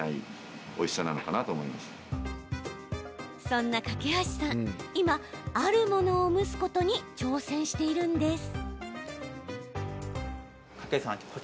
そんな梯さん、今あるものを蒸すことに挑戦しているんです。